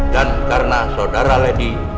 dan karena saudara lady